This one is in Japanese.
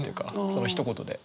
そのひと言で。